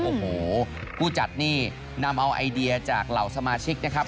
โอ้โหผู้จัดนี่นำเอาไอเดียจากเหล่าสมาชิกนะครับ